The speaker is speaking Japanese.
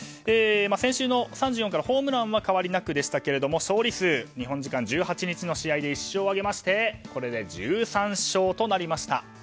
先週の３４からホームランは変わりなくでしたが勝利数、日本時間１８日の試合で１勝を挙げて１３勝となりました。